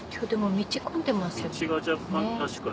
道が若干確かに。